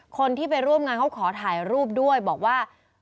คนที่ไปร่วมงานเขาขอถ่ายรูปด้วยบอกว่า